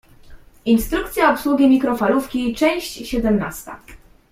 Instrukcja obsługi mikrofalówki, część siedemnasta.